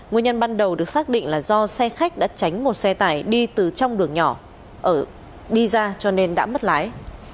nguyên nhân ban đầu được xác định là do xe khách đã tránh một xe tải đi từ trong đường nhỏ đi ra cho nên đã mất lái